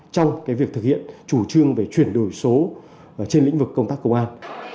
trong việc thực hiện chủ trương về chuyển đổi số trên lĩnh vực công tác công an